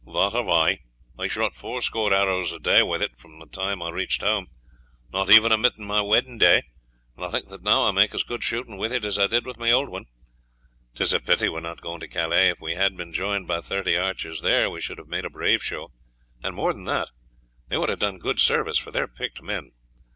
"That have I. I have shot fourscore arrows a day with it from the time I reached home, not even omitting my wedding day, and I think that now I make as good shooting with it as I did with my old one. 'Tis a pity we are not going to Calais; if we had been joined by thirty archers there we should have made a brave show, and more than that, they would have done good service, for they are picked men.